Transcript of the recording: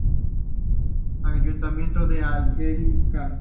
Ayuntamiento de Algeciras.